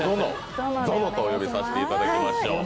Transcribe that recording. ゾノとお呼びさせていただきましょう。